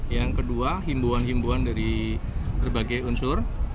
yang kedua himbuan himbuan dari berbagai unsur